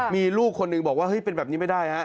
มีลูกคนหนึ่งบอกว่าเฮ้ยเป็นแบบนี้ไม่ได้ฮะ